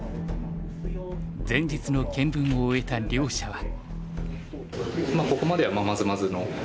前日の検分を終えた両者は。